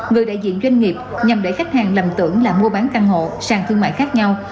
người đại diện doanh nghiệp nhằm để khách hàng lầm tưởng là mua bán căn hộ sàn thương mại khác nhau